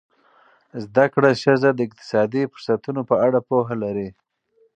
زده کړه ښځه د اقتصادي فرصتونو په اړه پوهه لري.